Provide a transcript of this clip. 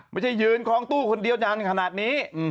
ไม่ใช่ยืนคล้องตู้คนเดียวนานขนาดนี้